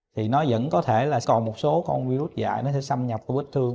thì nó vẫn có thể là còn một số con virus dại nó sẽ xâm nhập vết thương